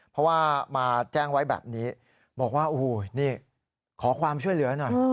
เพราะว่ามาแจ้งไว้แบบนี้บอกว่าโอ้โหนี่ขอความช่วยเหลือหน่อย